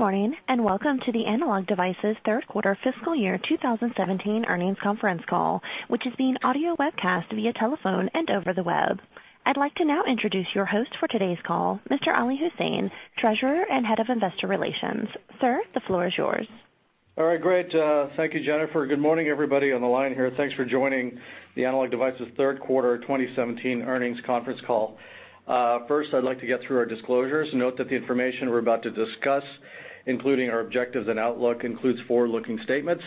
Morning, welcome to the Analog Devices third quarter fiscal year 2017 earnings conference call, which is being audio webcast via telephone and over the web. I'd like to now introduce your host for today's call, Mr. Ali Husain, Treasurer and Head of Investor Relations. Sir, the floor is yours. All right, great. Thank you, Jennifer. Good morning, everybody on the line here. Thanks for joining the Analog Devices third quarter 2017 earnings conference call. First, I'd like to get through our disclosures. Note that the information we're about to discuss, including our objectives and outlook, includes forward-looking statements.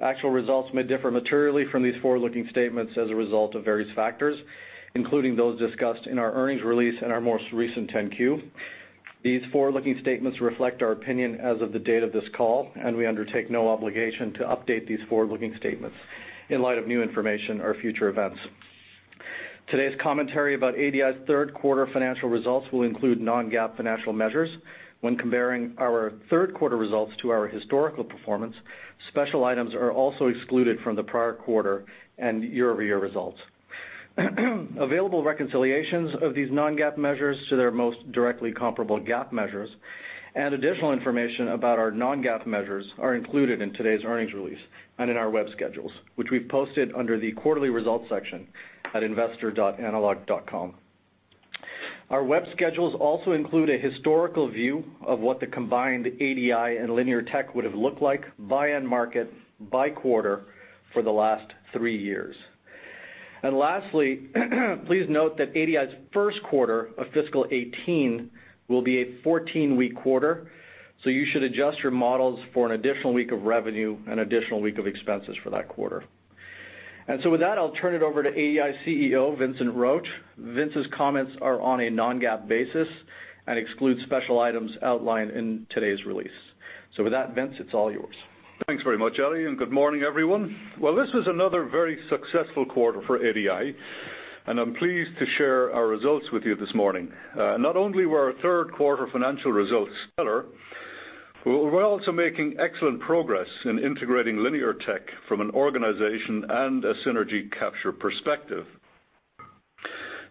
Actual results may differ materially from these forward-looking statements as a result of various factors, including those discussed in our earnings release and our most recent 10-Q. These forward-looking statements reflect our opinion as of the date of this call, and we undertake no obligation to update these forward-looking statements in light of new information or future events. Today's commentary about ADI's third quarter financial results will include non-GAAP financial measures. When comparing our third-quarter results to our historical performance, special items are also excluded from the prior quarter and year-over-year results. Available reconciliations of these non-GAAP measures to their most directly comparable GAAP measures and additional information about our non-GAAP measures are included in today's earnings release and in our web schedules, which we've posted under the Quarterly Results section at investor.analog.com. Our web schedules also include a historical view of what the combined ADI and Linear Tech would've looked like by end market, by quarter, for the last three years. Lastly, please note that ADI's first quarter of fiscal 2018 will be a 14-week quarter, so you should adjust your models for an additional week of revenue, an additional week of expenses for that quarter. With that, I'll turn it over to ADI CEO, Vincent Roche. Vince's comments are on a non-GAAP basis and excludes special items outlined in today's release. With that, Vince, it's all yours. Thanks very much, Ali, and good morning, everyone. This was another very successful quarter for ADI, and I'm pleased to share our results with you this morning. Not only were our third-quarter financial results stellar, we're also making excellent progress in integrating Linear Technology from an organization and a synergy capture perspective.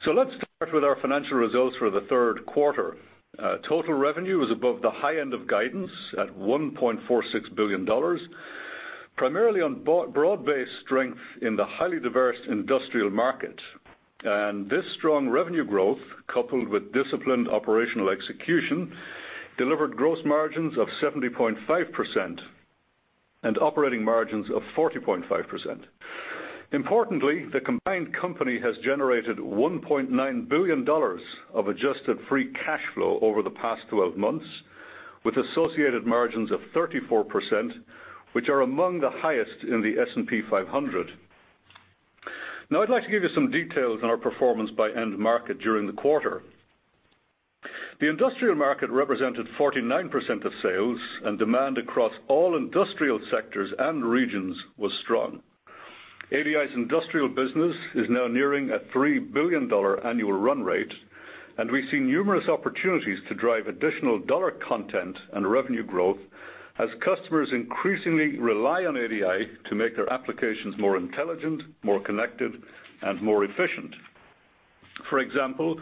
Let's start with our financial results for the third quarter. Total revenue was above the high end of guidance at $1.46 billion, primarily on broad-based strength in the highly diverse industrial market. This strong revenue growth, coupled with disciplined operational execution, delivered gross margins of 70.5% and operating margins of 40.5%. Importantly, the combined company has generated $1.9 billion of adjusted free cash flow over the past 12 months with associated margins of 34%, which are among the highest in the S&P 500. Now I'd like to give you some details on our performance by end market during the quarter. The industrial market represented 49% of sales, and demand across all industrial sectors and regions was strong. ADI's industrial business is now nearing a $3 billion annual run rate, and we see numerous opportunities to drive additional dollar content and revenue growth as customers increasingly rely on ADI to make their applications more intelligent, more connected, and more efficient. For example,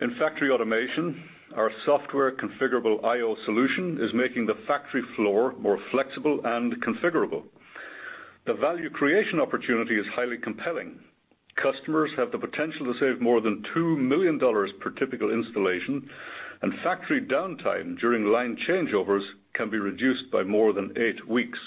in factory automation, our software configurable I/O solution is making the factory floor more flexible and configurable. The value creation opportunity is highly compelling. Customers have the potential to save more than $2 million per typical installation, and factory downtime during line changeovers can be reduced by more than eight weeks.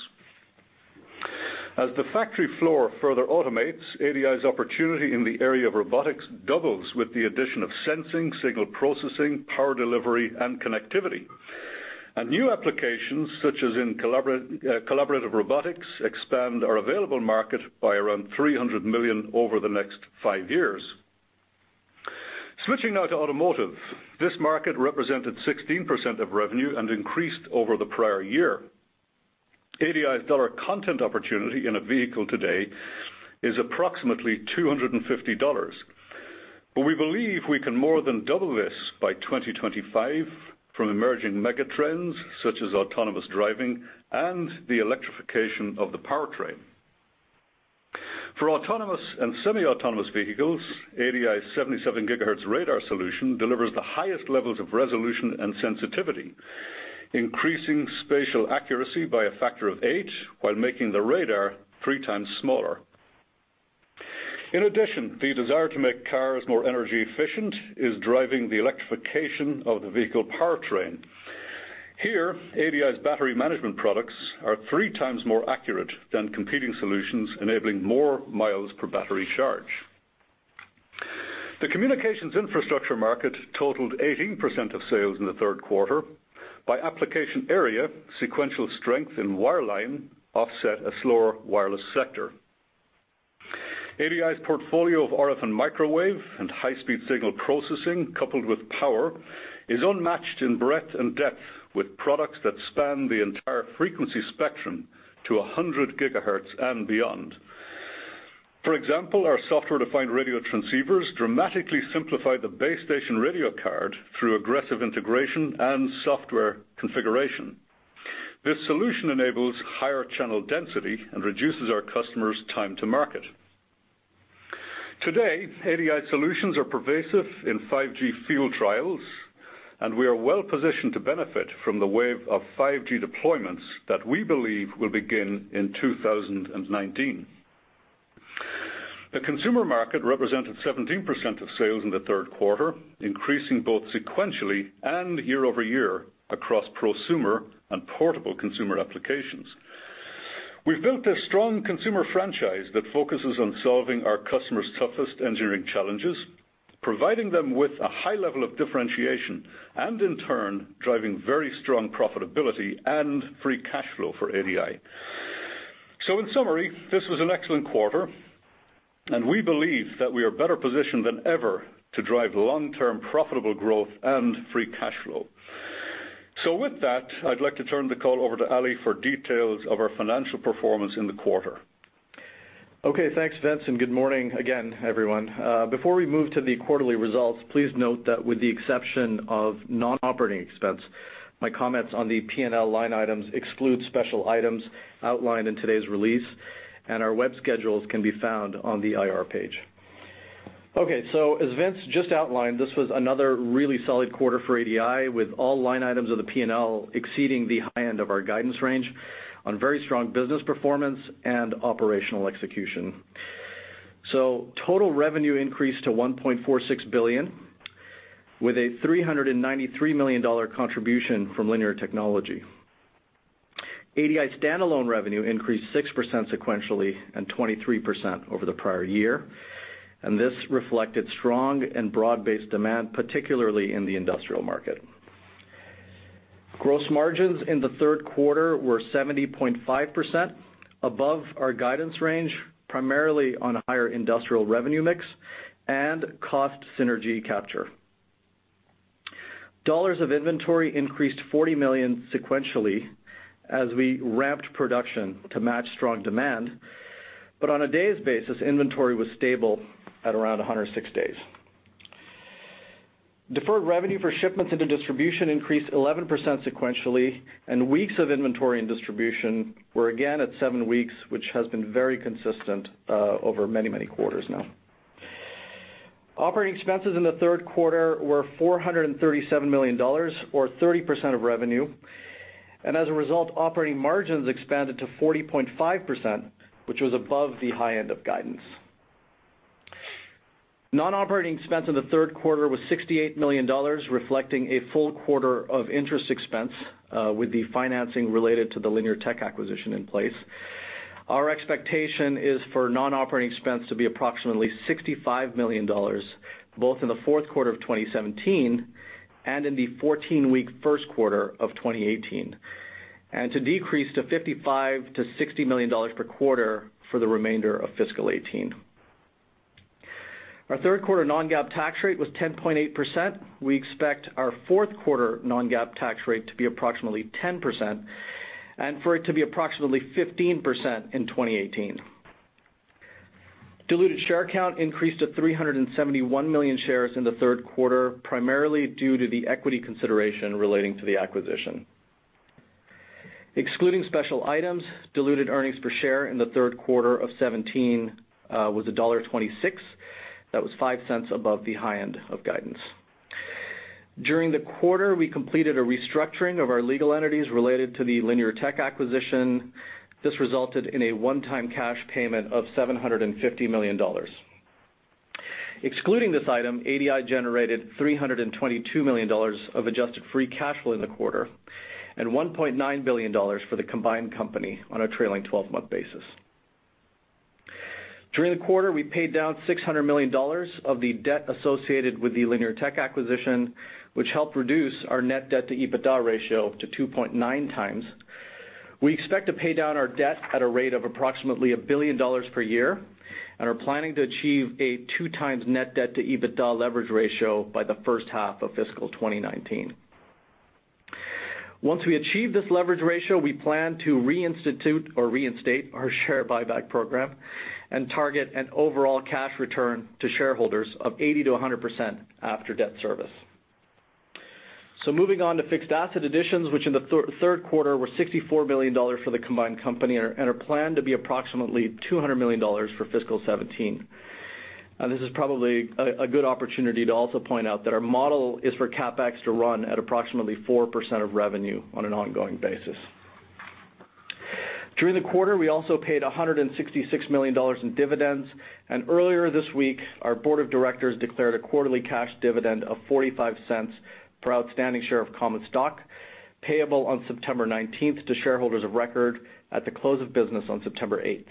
As the factory floor further automates, ADI's opportunity in the area of robotics doubles with the addition of sensing, signal processing, power delivery, and connectivity. New applications, such as in collaborative robotics, expand our available market by around $300 million over the next five years. Switching now to automotive. This market represented 16% of revenue and increased over the prior year. ADI's dollar content opportunity in a vehicle today is approximately $250, but we believe we can more than double this by 2025 from emerging mega trends such as autonomous driving and the electrification of the powertrain. For autonomous and semi-autonomous vehicles, ADI's 77 GHz radar solution delivers the highest levels of resolution and sensitivity, increasing spatial accuracy by a factor of eight while making the radar three times smaller. In addition, the desire to make cars more energy efficient is driving the electrification of the vehicle powertrain. Here, ADI's battery management products are three times more accurate than competing solutions, enabling more miles per battery charge. The communications infrastructure market totaled 18% of sales in the third quarter. By application area, sequential strength in wireline offset a slower wireless sector. ADI's portfolio of RF and microwave and high-speed signal processing coupled with power is unmatched in breadth and depth, with products that span the entire frequency spectrum to 100 gigahertz and beyond. For example, our software-defined radio transceivers dramatically simplify the base station radio card through aggressive integration and software configuration. This solution enables higher channel density and reduces our customers' time to market. Today, ADI solutions are pervasive in 5G field trials, and we are well positioned to benefit from the wave of 5G deployments that we believe will begin in 2019. The consumer market represented 17% of sales in the third quarter, increasing both sequentially and year-over-year across prosumer and portable consumer applications. We've built a strong consumer franchise that focuses on solving our customers' toughest engineering challenges, providing them with a high level of differentiation, and in turn, driving very strong profitability and free cash flow for ADI. In summary, this was an excellent quarter, and we believe that we are better positioned than ever to drive long-term profitable growth and free cash flow. With that, I'd like to turn the call over to Ali for details of our financial performance in the quarter. Thanks, Vince, and good morning again, everyone. Before we move to the quarterly results, please note that with the exception of non-operating expense, my comments on the P&L line items exclude special items outlined in today's release, and our web schedules can be found on the IR page. As Vince just outlined, this was another really solid quarter for ADI, with all line items of the P&L exceeding the high end of our guidance range on very strong business performance and operational execution. Total revenue increased to $1.46 billion, with a $393 million contribution from Linear Technology. ADI standalone revenue increased 6% sequentially and 23% over the prior year, this reflected strong and broad-based demand, particularly in the industrial market. Gross margins in the third quarter were 70.5%, above our guidance range, primarily on higher industrial revenue mix and cost synergy capture. Dollars of inventory increased $40 million sequentially as we ramped production to match strong demand. But on a days basis, inventory was stable at around 106 days. Deferred revenue for shipments into distribution increased 11% sequentially, and weeks of inventory and distribution were again at seven weeks, which has been very consistent over many quarters now. Operating expenses in the third quarter were $437 million, or 30% of revenue. As a result, operating margins expanded to 40.5%, which was above the high end of guidance. Non-operating expense in the third quarter was $68 million, reflecting a full quarter of interest expense with the financing related to the Linear Technology acquisition in place. Our expectation is for non-operating expense to be approximately $65 million, both in the fourth quarter of 2017 and in the 14-week first quarter of 2018, and to decrease to $55 million-$60 million per quarter for the remainder of fiscal 2018. Our third quarter non-GAAP tax rate was 10.8%. We expect our fourth quarter non-GAAP tax rate to be approximately 10% and for it to be approximately 15% in 2018. Diluted share count increased to 371 million shares in the third quarter, primarily due to the equity consideration relating to the acquisition. Excluding special items, diluted earnings per share in the third quarter of 2017 was $1.26. That was $0.05 above the high end of guidance. During the quarter, we completed a restructuring of our legal entities related to the Linear Technology acquisition. This resulted in a one-time cash payment of $750 million. Excluding this item, ADI generated $322 million of adjusted free cash flow in the quarter and $1.9 billion for the combined company on a trailing 12-month basis. During the quarter, we paid down $600 million of the debt associated with the Linear Technology acquisition, which helped reduce our net debt to EBITDA ratio to 2.9x. We expect to pay down our debt at a rate of approximately $1 billion per year and are planning to achieve a 2x net debt to EBITDA leverage ratio by the first half of fiscal 2019. Once we achieve this leverage ratio, we plan to reinstitute or reinstate our share buyback program and target an overall cash return to shareholders of 80%-100% after debt service. Moving on to fixed asset additions, which in the third quarter were $64 million for the combined company and are planned to be approximately $200 million for fiscal 2017. This is probably a good opportunity to also point out that our model is for CapEx to run at approximately 4% of revenue on an ongoing basis. During the quarter, we also paid $166 million in dividends, and earlier this week, our board of directors declared a quarterly cash dividend of $0.45 per outstanding share of common stock, payable on September 19th to shareholders of record at the close of business on September 8th.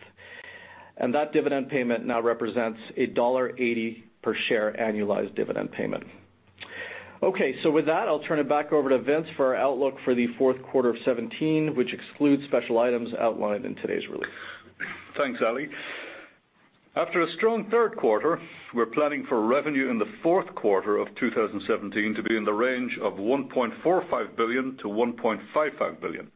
That dividend payment now represents a $1.80 per share annualized dividend payment. Okay. With that, I'll turn it back over to Vince for our outlook for the fourth quarter of 2017, which excludes special items outlined in today's release. Thanks, Ali. After a strong third quarter, we're planning for revenue in the fourth quarter of 2017 to be in the range of $1.45 billion to $1.55 billion.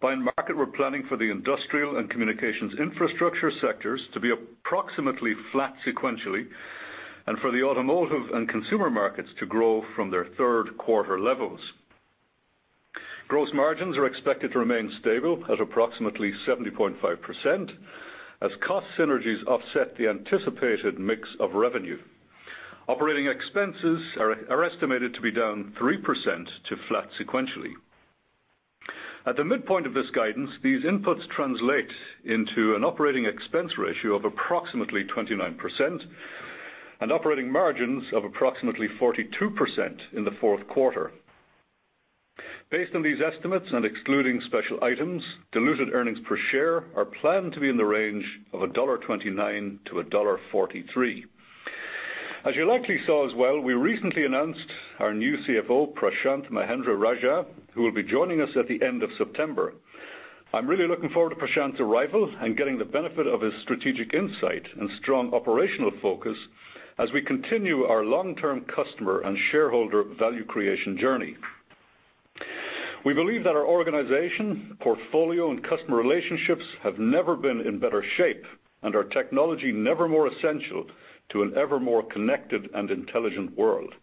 By market, we're planning for the industrial and communications infrastructure sectors to be approximately flat sequentially and for the automotive and consumer markets to grow from their third quarter levels. Gross margins are expected to remain stable at approximately 70.5%, as cost synergies offset the anticipated mix of revenue. Operating expenses are estimated to be down 3% to flat sequentially. At the midpoint of this guidance, these inputs translate into an operating expense ratio of approximately 29% and operating margins of approximately 42% in the fourth quarter. Based on these estimates and excluding special items, diluted earnings per share are planned to be in the range of $1.29 to $1.43. As you likely saw as well, we recently announced our new CFO, Prashanth Mahendra-Rajah, who will be joining us at the end of September. I'm really looking forward to Prashanth's arrival and getting the benefit of his strategic insight and strong operational focus as we continue our long-term customer and shareholder value creation journey. We believe that our organization, portfolio, and customer relationships have never been in better shape, and our technology never more essential to an ever more connected and intelligent world.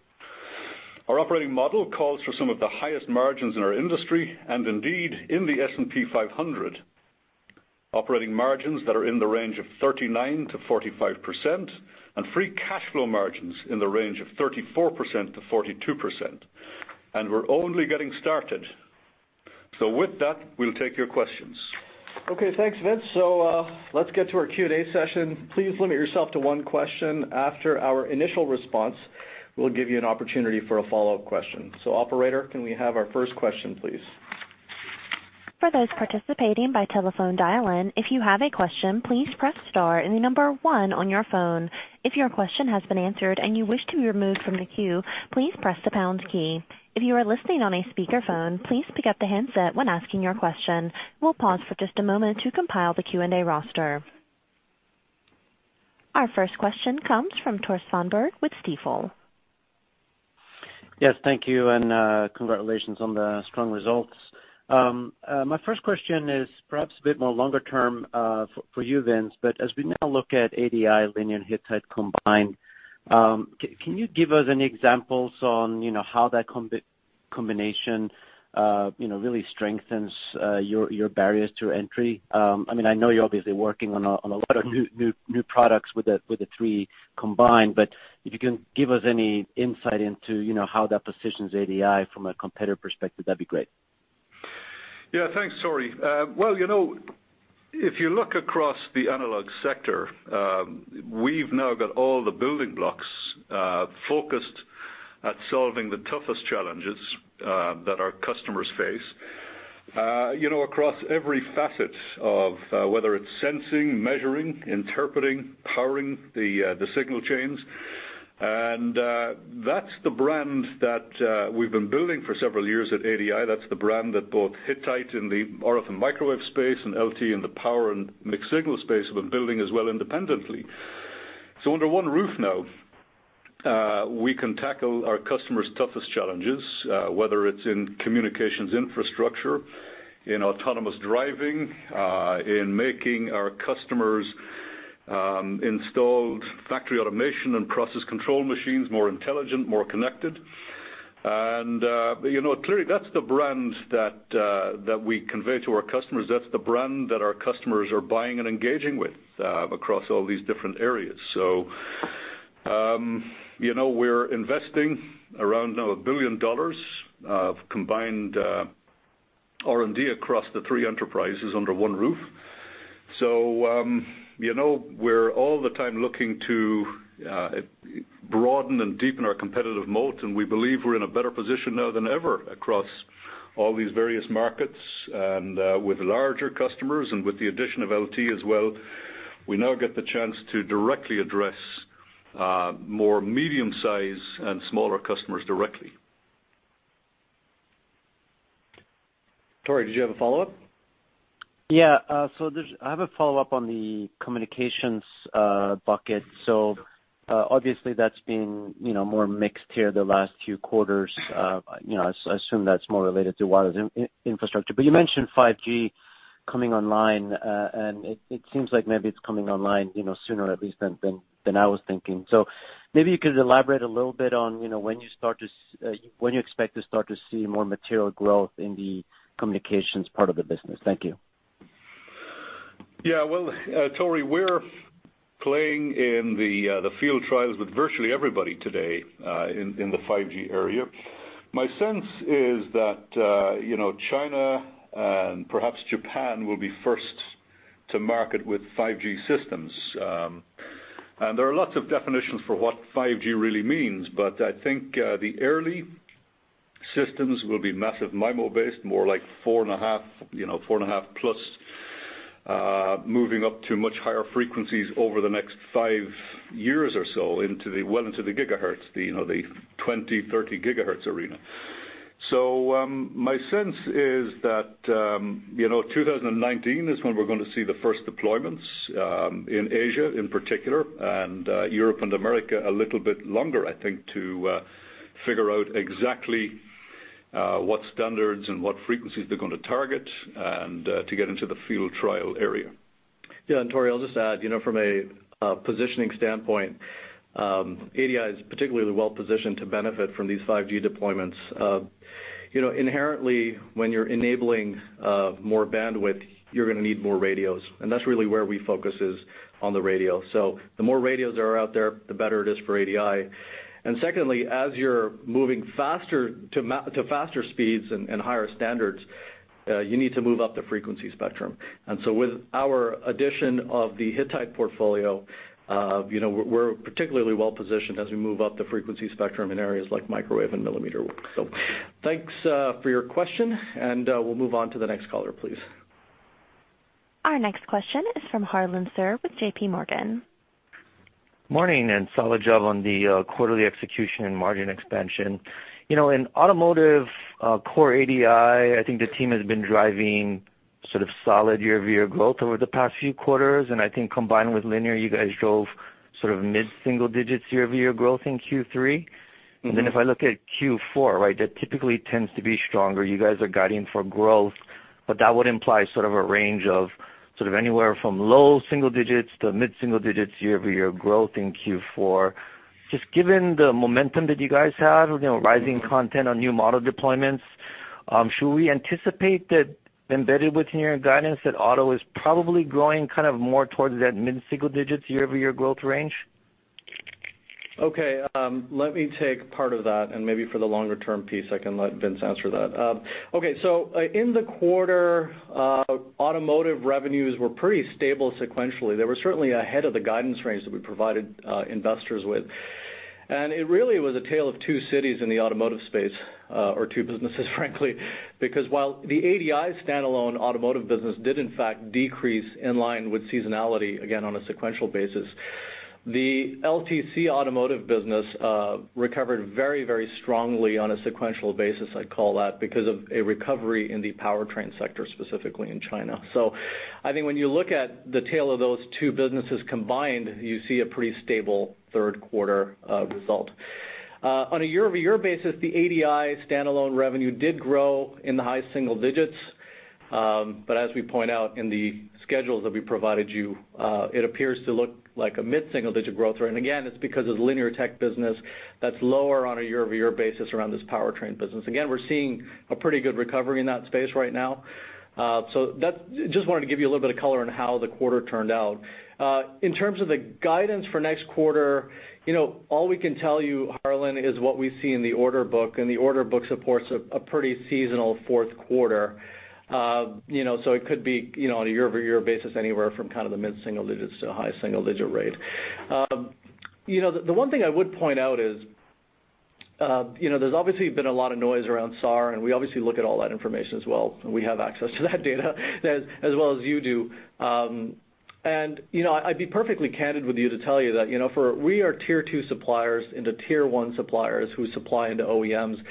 Our operating model calls for some of the highest margins in our industry, and indeed in the S&P 500. Operating margins that are in the range of 39%-45%, and free cash flow margins in the range of 34%-42%, and we're only getting started. With that, we'll take your questions. Okay, thanks, Vince. Let's get to our Q&A session. Please limit yourself to one question. After our initial response, we'll give you an opportunity for a follow-up question. Operator, can we have our first question, please? For those participating by telephone dial-in, if you have a question, please press star and the number one on your phone. If your question has been answered and you wish to be removed from the queue, please press the pound key. If you are listening on a speakerphone, please pick up the handset when asking your question. We'll pause for just a moment to compile the Q&A roster. Our first question comes from Tore Svanberg with Stifel. Yes, thank you, and congratulations on the strong results. My first question is perhaps a bit more longer term for you, Vince, but as we now look at ADI, Linear and Hittite combined, can you give us any examples on how that combination really strengthens your barriers to entry? I know you're obviously working on a lot of new products with the three combined, but if you can give us any insight into how that positions ADI from a competitor perspective, that'd be great. Yeah, thanks, Tore. If you look across the analog sector, we've now got all the building blocks focused at solving the toughest challenges that our customers face across every facet of whether it's sensing, measuring, interpreting, powering the signal chains, and that's the brand that we've been building for several years at ADI. That's the brand that both Hittite in the RF and microwave space, and LT in the power and mixed signal space have been building as well independently. Under one roof now, we can tackle our customers' toughest challenges, whether it's in communications infrastructure, in autonomous driving, in making our customers' installed factory automation and process control machines more intelligent, more connected. Clearly, that's the brand that we convey to our customers. That's the brand that our customers are buying and engaging with across all these different areas. We're investing around now $1 billion of combined R&D across the three enterprises under one roof. We're all the time looking to broaden and deepen our competitive moat, and we believe we're in a better position now than ever across all these various markets. With larger customers and with the addition of LT as well, we now get the chance to directly address more medium-size and smaller customers directly. Tore, did you have a follow-up? I have a follow-up on the communications bucket. Obviously that's been more mixed here the last few quarters. I assume that's more related to wireless infrastructure. You mentioned 5G coming online, and it seems like maybe it's coming online sooner at least than I was thinking. Maybe you could elaborate a little bit on when you expect to start to see more material growth in the communications part of the business. Thank you. Well, Tore, we're playing in the field trials with virtually everybody today in the 5G area. My sense is that China and perhaps Japan will be first to market with 5G systems. There are lots of definitions for what 5G really means, but I think the early systems will be massive MIMO based, more like four and a half plus, moving up to much higher frequencies over the next five years or so well into the gigahertz, the 20, 30 gigahertz arena. My sense is that 2019 is when we're going to see the first deployments, in Asia in particular, and Europe and America a little bit longer, I think, to figure out exactly what standards and what frequencies they're going to target and to get into the field trial area. Tore, I'll just add, from a positioning standpoint, ADI is particularly well-positioned to benefit from these 5G deployments. Inherently, when you're enabling more bandwidth, you're going to need more radios, and that's really where we focus is on the radio. The more radios that are out there, the better it is for ADI. Secondly, as you're moving to faster speeds and higher standards, you need to move up the frequency spectrum. With our addition of the Hittite portfolio, we're particularly well-positioned as we move up the frequency spectrum in areas like microwave and millimeter wave. Thanks for your question, and we'll move on to the next caller, please. Our next question is from Harlan Sur with JP Morgan. Morning, solid job on the quarterly execution and margin expansion. In automotive core ADI, I think the team has been driving sort of solid year-over-year growth over the past few quarters, I think combined with Linear, you guys drove sort of mid-single digits year-over-year growth in Q3. Then if I look at Q4, right? That typically tends to be stronger. You guys are guiding for growth, but that would imply sort of a range of sort of anywhere from low single digits to mid-single digits year-over-year growth in Q4. Just given the momentum that you guys have with rising content on new model deployments, should we anticipate that embedded within your guidance that auto is probably growing kind of more towards that mid-single digits year-over-year growth range? Okay. Let me take part of that, maybe for the longer-term piece, I can let Vince answer that. Okay, in the quarter, automotive revenues were pretty stable sequentially. They were certainly ahead of the guidance range that we provided investors with. It really was a tale of two cities in the automotive space, or two businesses frankly, because while the ADI standalone automotive business did in fact decrease in line with seasonality, again, on a sequential basis, the LTC automotive business recovered very strongly on a sequential basis, I'd call that, because of a recovery in the powertrain sector, specifically in China. I think when you look at the tale of those two businesses combined, you see a pretty stable third quarter result. On a year-over-year basis, the ADI standalone revenue did grow in the high single digits. As we point out in the schedules that we provided you, it appears to look like a mid-single-digit growth rate. Again, it's because of the Linear Technology business that's lower on a year-over-year basis around this powertrain business. Again, we're seeing a pretty good recovery in that space right now. Just wanted to give you a little bit of color on how the quarter turned out. In terms of the guidance for next quarter, all we can tell you, Harlan, is what we see in the order book, and the order book supports a pretty seasonal fourth quarter. It could be, on a year-over-year basis, anywhere from kind of the mid-single digits to a high-single-digit rate. The one thing I would point out is there's obviously been a lot of noise around SAR. We obviously look at all that information as well. We have access to that data as well as you do. I'd be perfectly candid with you to tell you that we are tier 2 suppliers into tier 1 suppliers who supply into OEMs.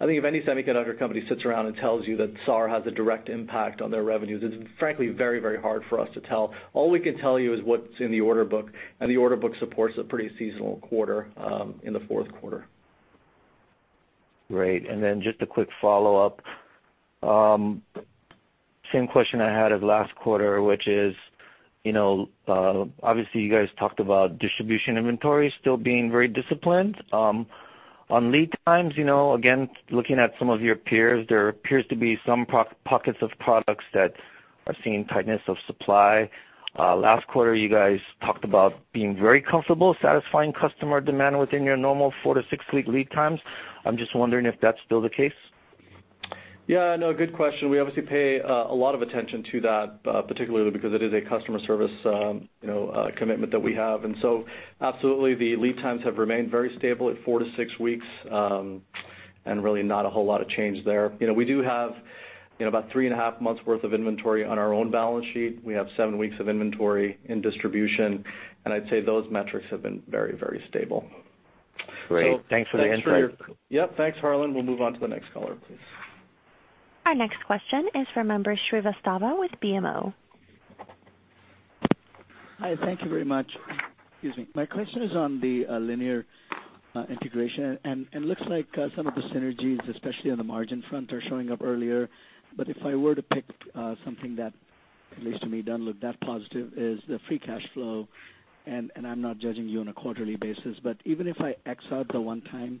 I think if any semiconductor company sits around and tells you that SAR has a direct impact on their revenues, it's frankly very hard for us to tell. All we can tell you is what's in the order book, and the order book supports a pretty seasonal quarter in the fourth quarter. Great. Just a quick follow-up. Same question I had of last quarter, which is obviously you guys talked about distribution inventory still being very disciplined. On lead times, again, looking at some of your peers, there appears to be some pockets of products that are seeing tightness of supply. Last quarter, you guys talked about being very comfortable satisfying customer demand within your normal four to six-week lead times. I'm just wondering if that's still the case. Yeah, no, good question. We obviously pay a lot of attention to that, particularly because it is a customer service commitment that we have. Absolutely, the lead times have remained very stable at four to six weeks. Really not a whole lot of change there. We do have about three and a half months worth of inventory on our own balance sheet. We have seven weeks of inventory in distribution, and I'd say those metrics have been very stable. Great. Thanks for the insight. Yep. Thanks, Harlan. We'll move on to the next caller, please. Our next question is from Ambrish Srivastava with BMO. Hi, thank you very much. Excuse me. My question is on the Linear integration, and it looks like some of the synergies, especially on the margin front, are showing up earlier. If I were to pick something that, at least to me, doesn't look that positive is the free cash flow, and I'm not judging you on a quarterly basis, but even if I X out the one-time payment,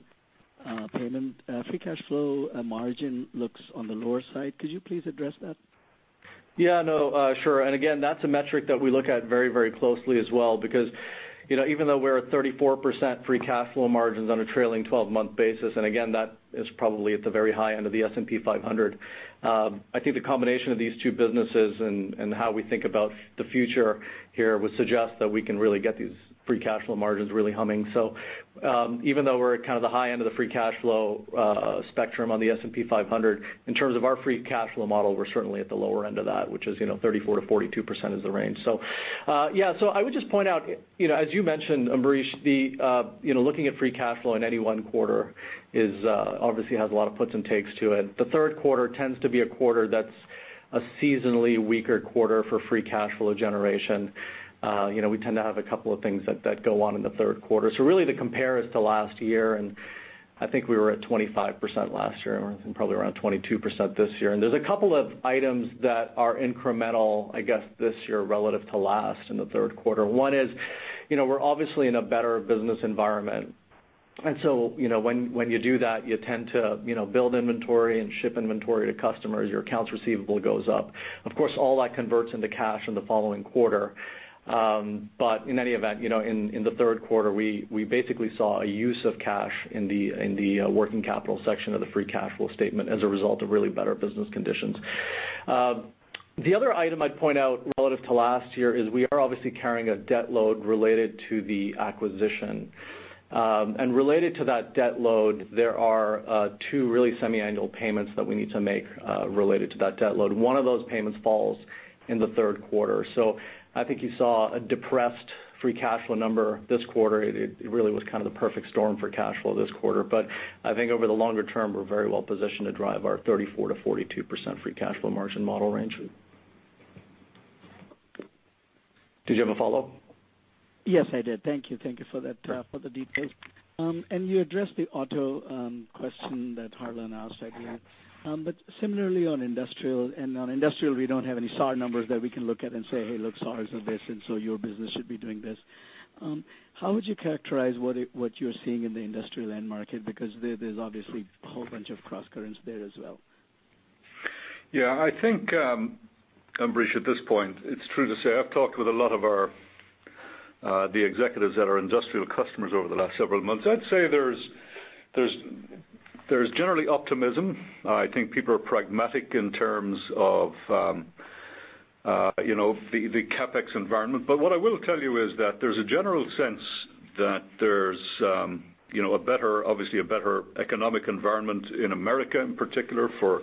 free cash flow margin looks on the lower side. Could you please address that? Again, that's a metric that we look at very closely as well because even though we're at 34% free cash flow margins on a trailing 12-month basis, again, that is probably at the very high end of the S&P 500, I think the combination of these two businesses and how we think about the future here would suggest that we can really get these free cash flow margins really humming. Even though we're at kind of the high end of the free cash flow spectrum on the S&P 500, in terms of our free cash flow model, we're certainly at the lower end of that, which is 34%-42% is the range. I would just point out, as you mentioned, Ambrish, looking at free cash flow in any one quarter obviously has a lot of puts and takes to it. The third quarter tends to be a quarter that's a seasonally weaker quarter for free cash flow generation. We tend to have a couple of things that go on in the third quarter. Really the compare is to last year, I think we were at 25% last year and probably around 22% this year. There's a couple of items that are incremental, I guess, this year relative to last in the third quarter. One is, we're obviously in a better business environment. When you do that, you tend to build inventory and ship inventory to customers. Your accounts receivable goes up. Of course, all that converts into cash in the following quarter. In any event, in the third quarter, we basically saw a use of cash in the working capital section of the free cash flow statement as a result of really better business conditions. The other item I'd point out relative to last year is we are obviously carrying a debt load related to the acquisition. Related to that debt load, there are two really semi-annual payments that we need to make, related to that debt load. One of those payments falls in the third quarter. I think you saw a depressed free cash flow number this quarter. It really was kind of the perfect storm for cash flow this quarter. I think over the longer term, we're very well positioned to drive our 34%-42% free cash flow margin model range. Did you have a follow-up? Yes, I did. Thank you. Thank you for the details. You addressed the auto question that Harlan asked earlier. Similarly on industrial, on industrial, we don't have any SAR numbers that we can look at and say, "Hey, look, SARs are this, your business should be doing this." How would you characterize what you're seeing in the industrial end market? Because there's obviously a whole bunch of crosscurrents there as well. I think, Ambrish, at this point, it's true to say I've talked with a lot of the executives that are industrial customers over the last several months. I'd say there's generally optimism. I think people are pragmatic in terms of the CapEx environment. What I will tell you is that there's a general sense that there's obviously a better economic environment in America in particular for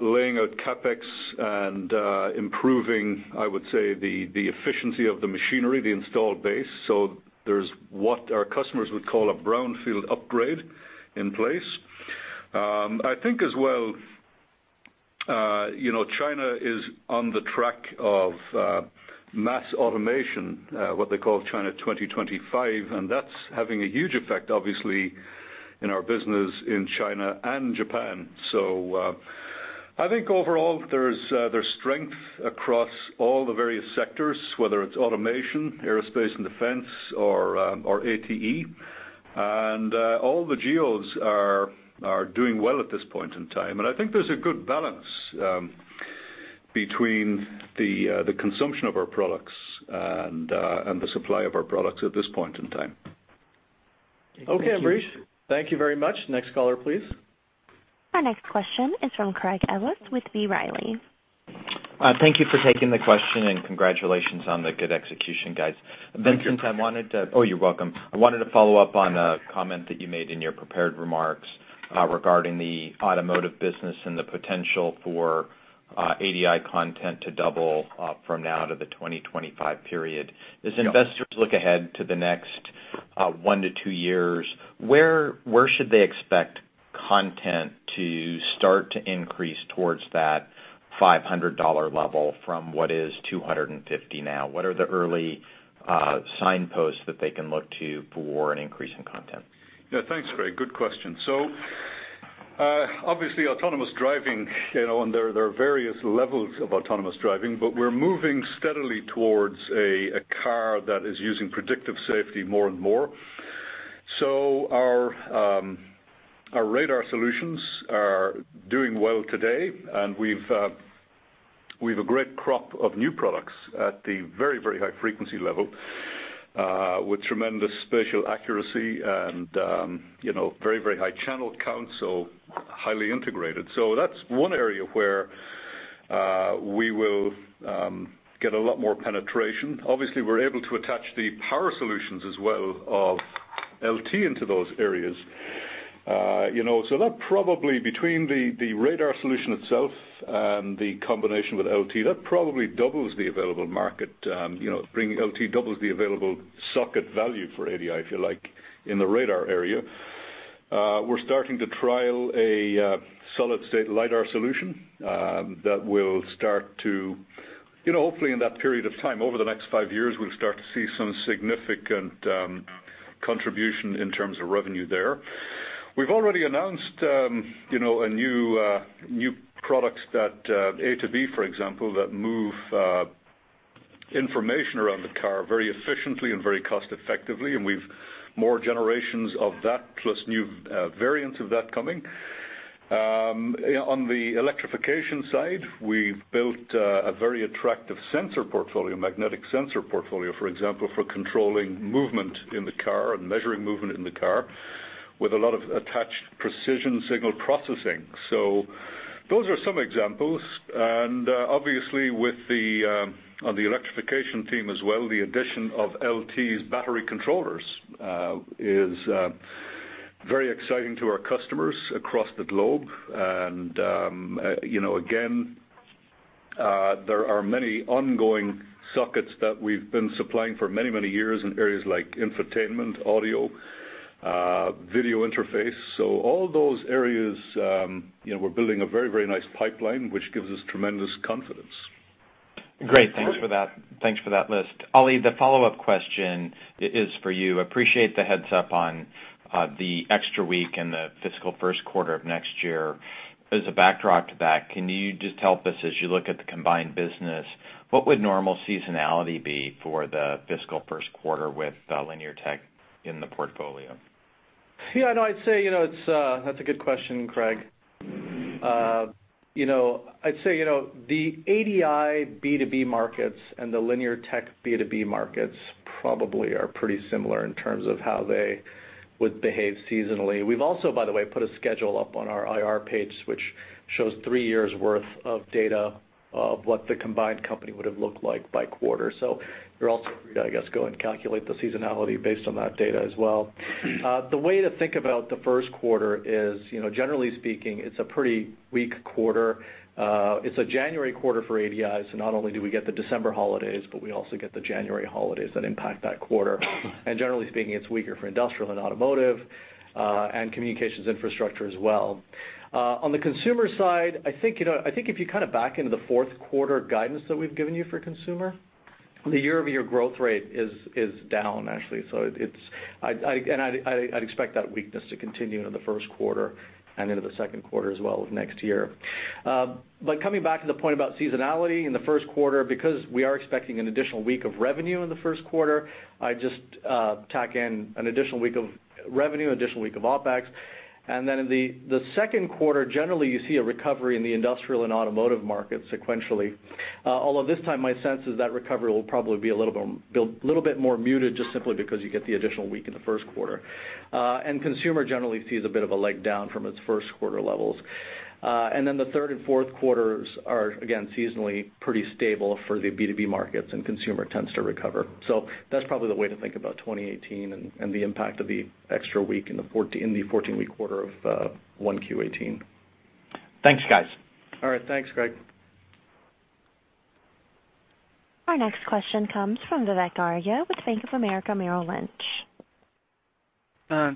laying out CapEx and improving, I would say, the efficiency of the machinery, the installed base. There's what our customers would call a brownfield upgrade in place. I think as well China is on the track of mass automation, what they call China 2025, and that's having a huge effect, obviously, in our business in China and Japan. I think overall, there's strength across all the various sectors, whether it's automation, aerospace and defense or ATE. All the geos are doing well at this point in time. I think there's a good balance between the consumption of our products and the supply of our products at this point in time. Ambrish. Thank you very much. Next caller, please. Our next question is from Craig Ellis with B. Riley. Thank you for taking the question and congratulations on the good execution, guys. Thank you. Oh, you're welcome. I wanted to follow up on a comment that you made in your prepared remarks regarding the automotive business and the potential for ADI content to double from now to the 2025 period. Yeah. As investors look ahead to the next one to two years, where should they expect content to start to increase towards that $500 level from what is $250 now? What are the early signposts that they can look to for an increase in content? Yeah. Thanks, Craig. Good question. Obviously autonomous driving, and there are various levels of autonomous driving, but we're moving steadily towards a car that is using predictive safety more and more. Our radar solutions are doing well today, and we've a great crop of new products at the very, very high frequency level, with tremendous spatial accuracy and very, very high channel count, so highly integrated. That's one area where we will get a lot more penetration. Obviously, we're able to attach the power solutions as well of LT into those areas. That probably between the radar solution itself and the combination with LT, that probably doubles the available market, bringing LT doubles the available socket value for ADI, if you like, in the radar area. We're starting to trial a solid state LIDAR solution, that will start to, hopefully in that period of time, over the next five years, we'll start to see some significant contribution in terms of revenue there. We've already announced new products that A2B, for example, that move information around the car very efficiently and very cost effectively, and we've more generations of that plus new variants of that coming. On the electrification side, we've built a very attractive sensor portfolio, magnetic sensor portfolio, for example, for controlling movement in the car and measuring movement in the car with a lot of attached precision signal processing. Those are some examples. Obviously on the electrification team as well, the addition of LT's battery controllers, is very exciting to our customers across the globe. Again, there are many ongoing sockets that we've been supplying for many, many years in areas like infotainment, audio video interface. All those areas, we're building a very nice pipeline, which gives us tremendous confidence. Great. Thanks for that list. Ali, the follow-up question is for you. Appreciate the heads-up on the extra week in the fiscal first quarter of next year. As a backdrop to that, can you just help us as you look at the combined business, what would normal seasonality be for the fiscal first quarter with Linear Technology in the portfolio? Yeah. That's a good question, Craig. I'd say, the ADI B2B markets and the Linear Tech B2B markets probably are pretty similar in terms of how they would behave seasonally. We've also, by the way, put a schedule up on our IR page, which shows three years' worth of data of what the combined company would've looked like by quarter. You're all set free, I guess, go and calculate the seasonality based on that data as well. The way to think about the first quarter is, generally speaking, it's a pretty weak quarter. It's a January quarter for ADI, so not only do we get the December holidays, but we also get the January holidays that impact that quarter. Generally speaking, it's weaker for industrial and automotive, and communications infrastructure as well. On the consumer side, I think if you back into the fourth quarter guidance that we've given you for consumer, the year-over-year growth rate is down, actually. I'd expect that weakness to continue into the first quarter and into the second quarter as well of next year. Coming back to the point about seasonality in the first quarter, because we are expecting an additional week of revenue in the first quarter, I'd just tack in an additional week of revenue, additional week of OpEx, and then in the second quarter, generally, you see a recovery in the industrial and automotive market sequentially. Although this time, my sense is that recovery will probably be a little bit more muted, just simply because you get the additional week in the first quarter. Consumer generally sees a bit of a leg down from its first quarter levels. The third and fourth quarters are, again, seasonally pretty stable for the B2B markets, and consumer tends to recover. That's probably the way to think about 2018 and the impact of the extra week in the 14-week quarter of 1Q18. Thanks, guys. All right. Thanks, Craig. Our next question comes from Vivek Arya with Bank of America Merrill Lynch.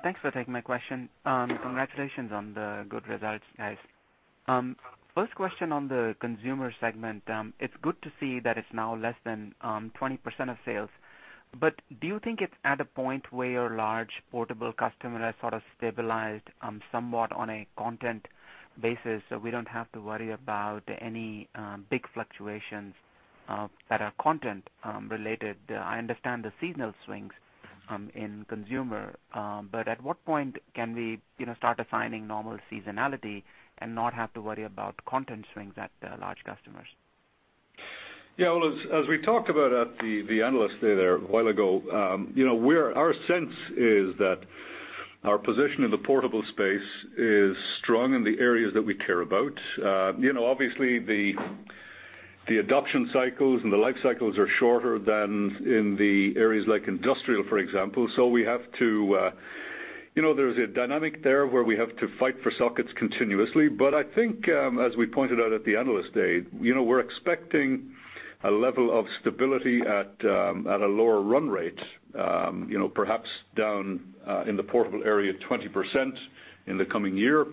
Thanks for taking my question. Congratulations on the good results, guys. First question on the consumer segment. It's good to see that it's now less than 20% of sales, but do you think it's at a point where your large portable customer has sort of stabilized somewhat on a content basis, so we don't have to worry about any big fluctuations that are content related? I understand the seasonal swings in consumer, but at what point can we start assigning normal seasonality and not have to worry about content swings at the large customers? Yeah, well, as we talked about at the analyst day there a while ago, our sense is that our position in the portable space is strong in the areas that we care about. Obviously, the adoption cycles and the life cycles are shorter than in the areas like industrial, for example. There's a dynamic there where we have to fight for sockets continuously, but I think, as we pointed out at the analyst day, we're expecting a level of stability at a lower run rate, perhaps down, in the portable area, 20% in the coming year.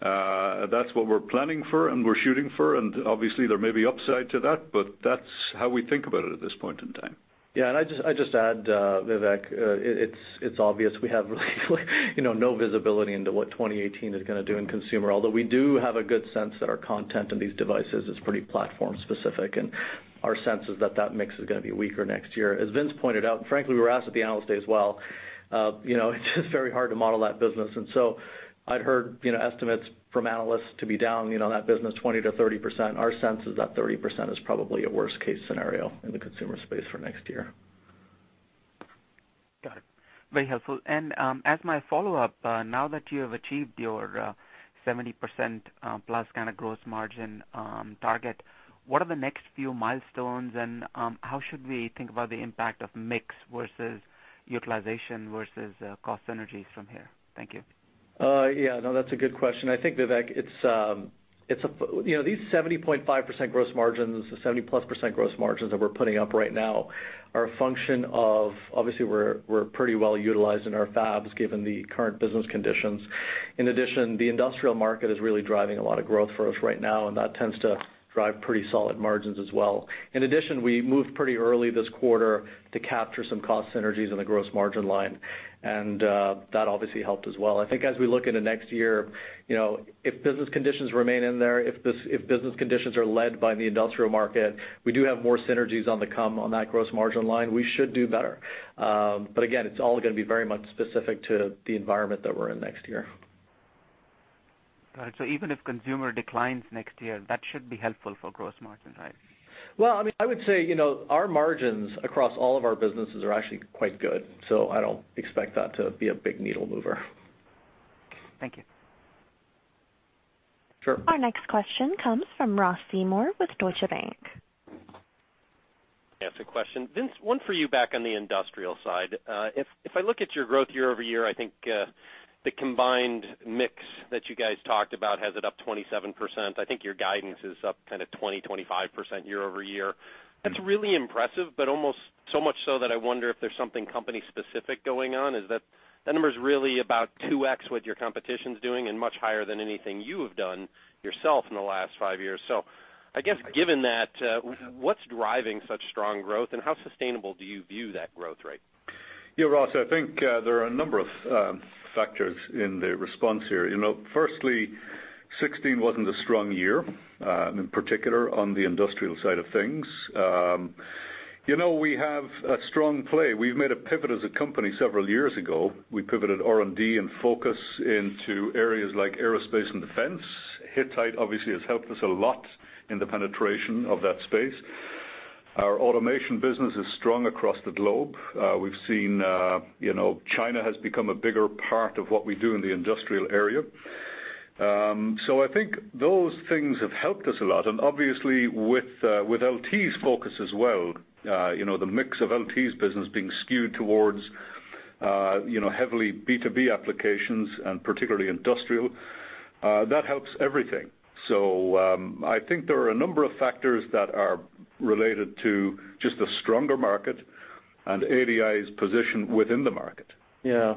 That's what we're planning for and we're shooting for, and obviously there may be upside to that, but that's how we think about it at this point in time. I just add, Vivek, it's obvious we have really no visibility into what 2018 is going to do in consumer, although we do have a good sense that our content in these devices is pretty platform specific, and our sense is that mix is going to be weaker next year. As Vince pointed out, frankly, we were asked at the analyst day as well, it's just very hard to model that business. I'd heard estimates from analysts to be down on that business 20%-30%. Our sense is that 30% is probably a worst case scenario in the consumer space for next year. Got it. Very helpful. As my follow-up, now that you have achieved your 70%+ kind of gross margin target, what are the next few milestones and how should we think about the impact of mix versus utilization versus cost synergies from here? Thank you. That's a good question. I think, Vivek, these 70.5% gross margins, the 70%+ gross margins that we're putting up right now are a function of, obviously, we're pretty well utilized in our fabs given the current business conditions. In addition, the industrial market is really driving a lot of growth for us right now, and that tends to drive pretty solid margins as well. In addition, we moved pretty early this quarter to capture some cost synergies in the gross margin line, that obviously helped as well. I think as we look into next year, if business conditions remain in there, if business conditions are led by the industrial market, we do have more synergies on the come on that gross margin line. We should do better. Again, it's all going to be very much specific to the environment that we're in next year. Got it. Even if consumer declines next year, that should be helpful for gross margin, right? Well, I would say, our margins across all of our businesses are actually quite good, so I don't expect that to be a big needle mover. Thank you. Sure. Our next question comes from Ross Seymore with Deutsche Bank. Ask a question. Vince, one for you back on the industrial side. If I look at your growth year-over-year, I think the combined mix that you guys talked about has it up 27%. I think your guidance is up kind of 20, 25% year-over-year. That's really impressive, but almost so much so that I wonder if there's something company specific going on. Is that number is really about 2X what your competition's doing and much higher than anything you have done yourself in the last five years. I guess given that, what's driving such strong growth and how sustainable do you view that growth rate? Yeah, Ross, I think there are a number of factors in the response here. Firstly 2016 wasn't a strong year, in particular on the industrial side of things. We have a strong play. We've made a pivot as a company several years ago. We pivoted R&D and focus into areas like aerospace and defense. Hittite obviously has helped us a lot in the penetration of that space. Our automation business is strong across the globe. We've seen China has become a bigger part of what we do in the industrial area. I think those things have helped us a lot. Obviously with LT's focus as well, the mix of LT's business being skewed towards heavily B2B applications and particularly industrial, that helps everything. I think there are a number of factors that are related to just the stronger market and ADI's position within the market. Yeah.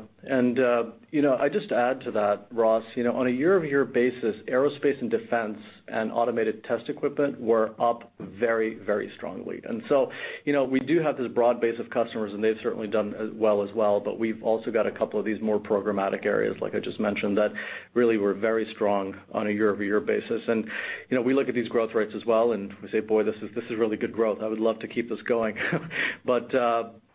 I just add to that, Ross, on a year-over-year basis, aerospace and defense and automated test equipment were up very, very strongly. We do have this broad base of customers, and they've certainly done well as well, but we've also got a couple of these more programmatic areas, like I just mentioned, that really were very strong on a year-over-year basis. We look at these growth rates as well, and we say, "Boy, this is really good growth. I would love to keep this going."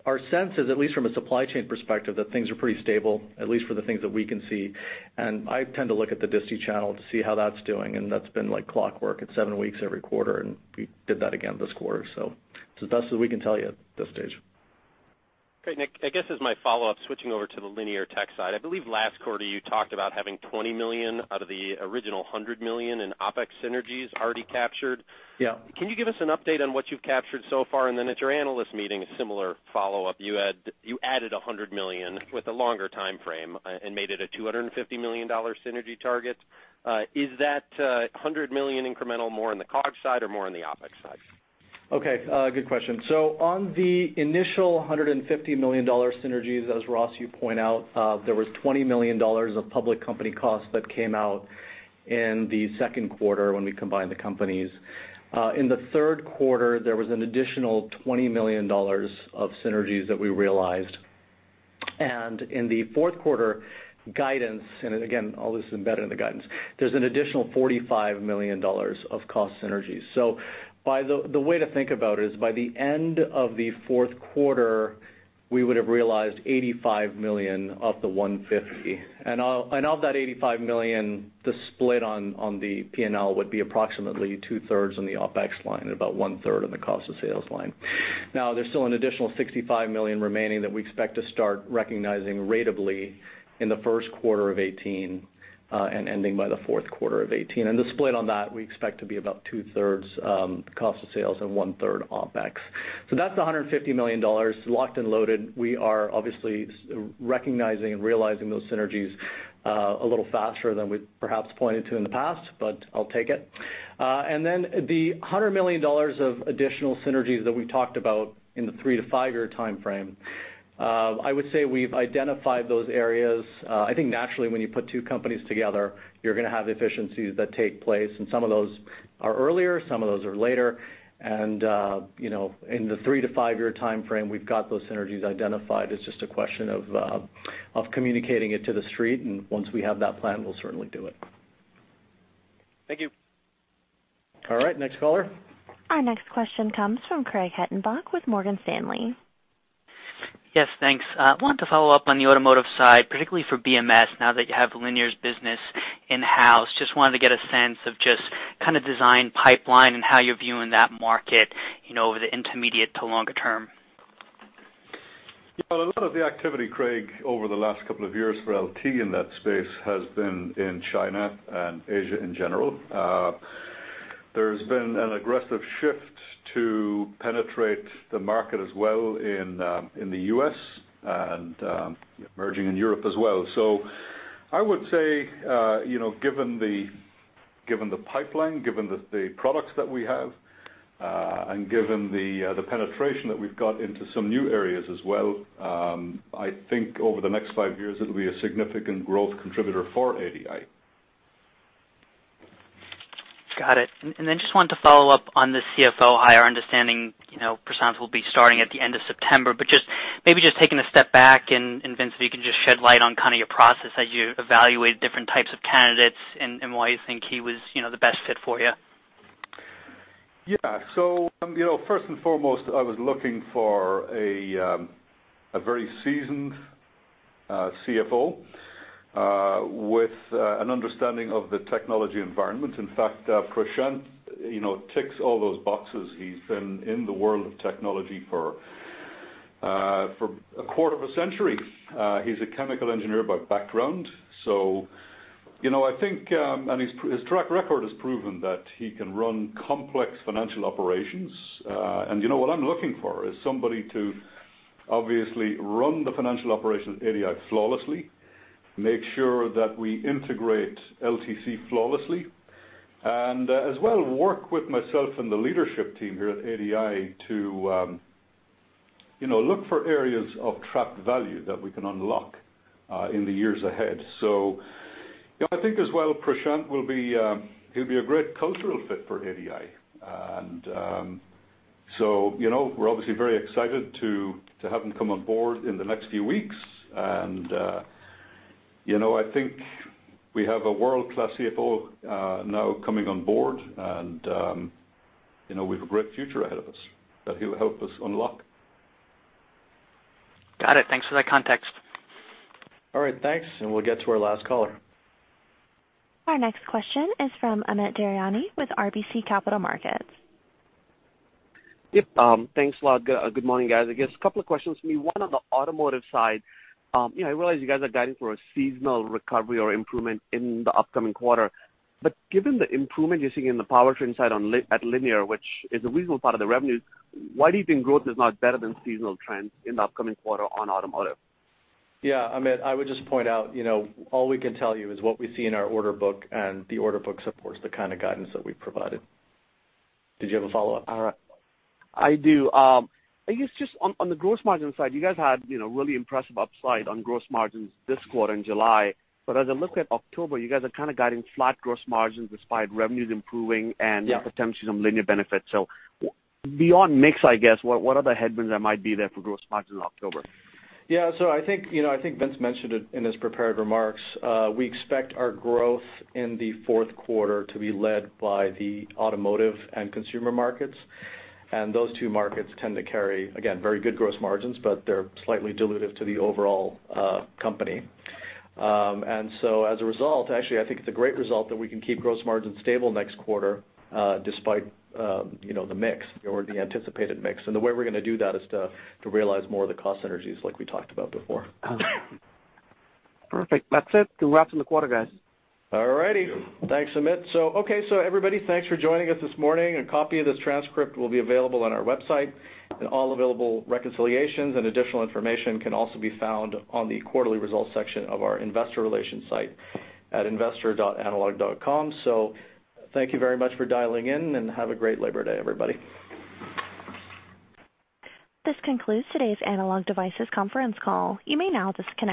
Our sense is, at least from a supply chain perspective, that things are pretty stable, at least for the things that we can see. I tend to look at the disti channel to see how that's doing, and that's been like clockwork. It's seven weeks every quarter, and we did that again this quarter. It's the best that we can tell you at this stage. Great. Vince, I guess as my follow-up, switching over to the Linear Tech side, I believe last quarter you talked about having $20 million out of the original $100 million in OpEx synergies already captured. Yeah. Can you give us an update on what you've captured so far? At your analyst meeting, a similar follow-up, you added $100 million with a longer timeframe and made it a $250 million synergy target. Is that $100 million incremental more in the COGS side or more in the OpEx side? Okay. Good question. On the initial $150 million synergies, as Ross you point out, there was $20 million of public company costs that came out in the second quarter when we combined the companies. In the third quarter, there was an additional $20 million of synergies that we realized. In the fourth quarter guidance, and again, all this is embedded in the guidance, there's an additional $45 million of cost synergies. The way to think about it is by the end of the fourth quarter, we would have realized $85 million of the $150 million. Of that $85 million, the split on the P&L would be approximately two-thirds on the OpEx line and about one-third on the cost of sales line. There's still an additional $65 million remaining that we expect to start recognizing ratably in the first quarter of 2018, ending by the fourth quarter of 2018. The split on that we expect to be about two-thirds cost of sales and one-third OpEx. That's the $150 million locked and loaded. We are obviously recognizing and realizing those synergies a little faster than we perhaps pointed to in the past, but I'll take it. The $100 million of additional synergies that we talked about in the three to five-year timeframe, I would say we've identified those areas. I think naturally when you put two companies together, you're going to have efficiencies that take place, and some of those are earlier, some of those are later. In the three to five-year timeframe, we've got those synergies identified. It's just a question of communicating it to The Street, once we have that plan, we'll certainly do it. Thank you. All right, next caller. Our next question comes from Craig Hettenbach with Morgan Stanley. Yes, thanks. Wanted to follow up on the automotive side, particularly for BMS, now that you have Linear's business in-house. Just wanted to get a sense of kind of design pipeline and how you're viewing that market over the intermediate to longer term. Yeah. A lot of the activity, Craig, over the last couple of years for LT in that space has been in China and Asia in general. There's been an aggressive shift to penetrate the market as well in the U.S. and emerging in Europe as well. I would say, given the pipeline, given the products that we have, and given the penetration that we've got into some new areas as well, I think over the next five years, it'll be a significant growth contributor for ADI. Got it. Just wanted to follow up on the CFO hire. Understanding Prashanth will be starting at the end of September, but maybe just taking a step back and, Vince, if you can just shed light on kind of your process as you evaluate different types of candidates and why you think he was the best fit for you. Yeah. First and foremost, I was looking for a very seasoned CFO, with an understanding of the technology environment. In fact, Prashanth ticks all those boxes. He's been in the world of technology for a quarter of a century. He's a chemical engineer by background. I think his track record has proven that he can run complex financial operations. What I'm looking for is somebody to obviously run the financial operations at ADI flawlessly, make sure that we integrate LTC flawlessly, and as well, work with myself and the leadership team here at ADI to look for areas of trapped value that we can unlock in the years ahead. I think as well, Prashanth, he'll be a great cultural fit for ADI. We're obviously very excited to have him come on board in the next few weeks. I think we have a world-class CFO now coming on board, and we have a great future ahead of us that he'll help us unlock. Got it. Thanks for that context. All right, thanks. We'll get to our last caller. Our next question is from Amit Daryanani with RBC Capital Markets. Yep. Thanks a lot. Good morning, guys. I guess a couple of questions for me. One on the automotive side. I realize you guys are guiding for a seasonal recovery or improvement in the upcoming quarter. Given the improvement you're seeing in the powertrain side at Linear, which is a reasonable part of the revenues, why do you think growth is not better than seasonal trends in the upcoming quarter on automotive? Amit, I would just point out, all we can tell you is what we see in our order book, the order book supports the kind of guidance that we've provided. Did you have a follow-up? I do. I guess just on the gross margin side, you guys had really impressive upside on gross margins this quarter in July. As I look at October, you guys are kind of guiding flat gross margins despite revenues improving. Yeah potentially some Linear benefits. Beyond mix, I guess, what are the headwinds that might be there for gross margins in October? I think Vince mentioned it in his prepared remarks. We expect our growth in the fourth quarter to be led by the automotive and consumer markets. Those two markets tend to carry, again, very good gross margins, but they're slightly dilutive to the overall company. As a result, actually, I think it's a great result that we can keep gross margins stable next quarter, despite the mix or the anticipated mix. The way we're going to do that is to realize more of the cost synergies like we talked about before. Perfect. That's it. Congrats on the quarter, guys. All righty. Thank you. Thanks, Amit. Okay. Everybody, thanks for joining us this morning. A copy of this transcript will be available on our website, and all available reconciliations and additional information can also be found on the quarterly results section of our investor relations site at investor.analog.com. Thank you very much for dialing in, and have a great Labor Day, everybody. This concludes today's Analog Devices conference call. You may now disconnect.